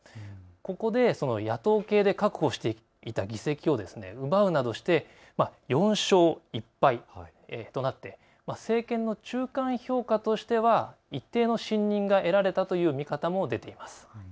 ここで野党系で確保していた議席を奪うなどして４勝１敗となって政権の中間評価としては一定の信任が得られたという見方も出ています。